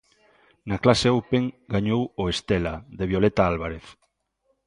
Na clase Open gañou o Stella, de Violeta Álvarez.